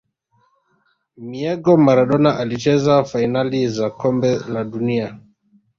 miego Maradona alicheza fainali za kombe la dunia